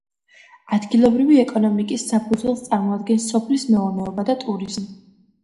ადგილობრივი ეკონომიკის საფუძველს წარმოადგენს სოფლის მეურნეობა და ტურიზმი.